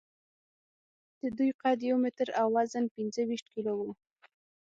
د دوی قد یو متر او وزن پینځهویشت کیلو و.